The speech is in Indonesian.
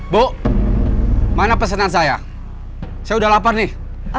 bu mana pesanan saya saya udah lapar nih